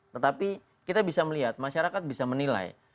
tetapi kita bisa melihat masyarakat bisa menilai